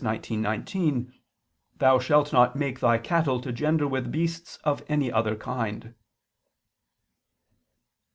19:19): "Thou shalt not make thy cattle to gender with beasts of any other kind."